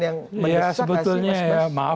yang menyesat ya sebetulnya ya maaf